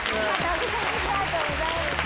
ありがとうございます！